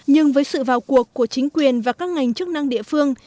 nhưng với sự vào cuộc của chính quyền và các ngành chức năng địa phương